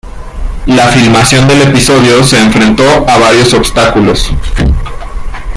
La filmación del episodio se enfrentó a varios obstáculos.